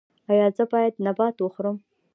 ایا زه باید نبات وخورم؟